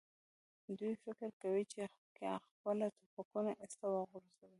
دوی فکر کوي، چې که خپل ټوپکونه ایسته وغورځوي.